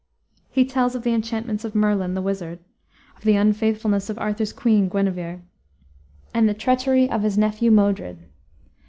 He tells of the enchantments of Merlin, the wizard; of the unfaithfulness of Arthur's queen, Guenever; and the treachery of his nephew, Modred.